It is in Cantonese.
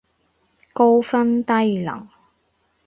高分低能